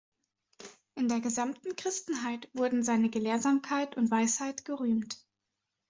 In der gesamten Christenheit wurden seine Gelehrsamkeit und Weisheit gerühmt.